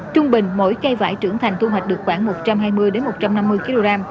trung bình mỗi cây vải trưởng thành thu hoạch được khoảng một trăm hai mươi một trăm năm mươi kg